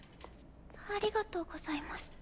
ありがとうございます。